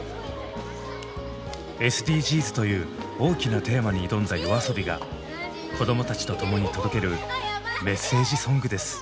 「ＳＤＧｓ」という大きなテーマに挑んだＹＯＡＳＯＢＩが子どもたちと共に届けるメッセージソングです。